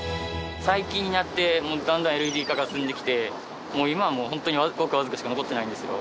最近になってだんだんＬＥＤ化が進んできて今はもう本当にごくわずかしか残ってないんですよ。